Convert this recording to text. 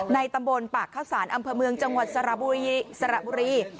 ตำบลปากเข้าสารอำเภอเมืองจังหวัดสระบุรี